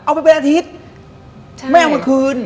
เมื่ออาทิตย์ไม่เอาไปคืน